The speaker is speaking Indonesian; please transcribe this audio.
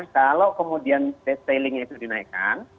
kalau kemudian tailingnya itu dinaikkan